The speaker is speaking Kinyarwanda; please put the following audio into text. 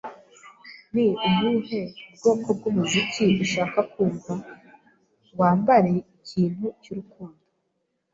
"Ni ubuhe bwoko bw'umuziki ushaka kumva?" "Wambare ikintu cy'urukundo."